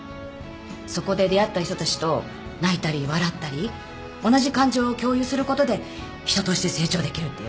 そこで出会った人たちと泣いたり笑ったり同じ感情を共有することで人として成長できるっていうか。